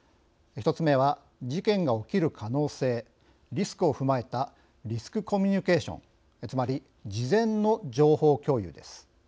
１つ目は事件が起きる可能性リスクを踏まえたリスクコミュニケーションつまり事前の情報共有です。